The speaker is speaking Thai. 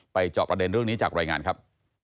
จอบประเด็นเรื่องนี้จากรายงานครับ